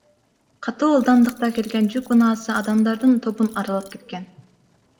Катуу ылдамдыкта келген жүк унаасы адамдардын тобун аралап кеткен.